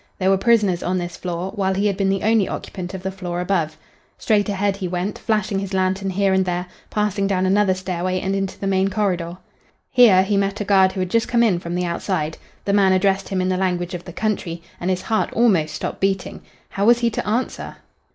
There were prisoners on this floor, while he had been the only occupant of the floor above. Straight ahead he went, flashing his lantern here and there, passing down another stairway and into the main corridor. Here he met a guard who had just come in from the outside. The man addressed him in the language of the country, and his heart almost stopped beating. How was he to answer?